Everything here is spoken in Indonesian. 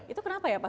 itu kenapa ya pak